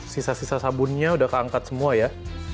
sisa sisa sabunnya udah keangkat semua ya